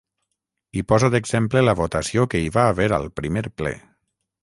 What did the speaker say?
i posa d'exemple la votació que hi va haver al primer ple